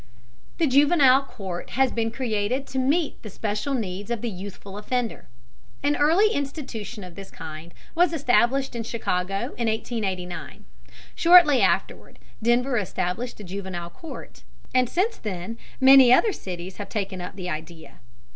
The juvenile court has been created to meet the special needs of the youthful offender. An early institution of this kind was established in Chicago in 1889. Shortly afterward Denver established a juvenile court, and since then many other cities have taken up the idea.